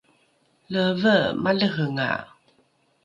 leeve malehenga!